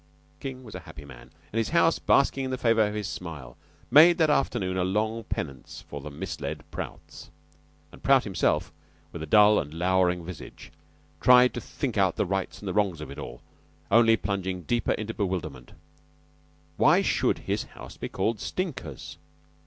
King was a happy man, and his house, basking in the favor of his smile, made that afternoon a long penance to the misled Prouts. And Prout himself, with a dull and lowering visage, tried to think out the rights and wrongs of it all, only plunging deeper into bewilderment. Why should his house be called "Stinkers"?